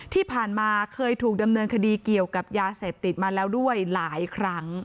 ที่ผ่านมาเคยถูกดำเนินคดีเกี่ยวกับยาเสพติดมาแล้วด้วยหลายครั้ง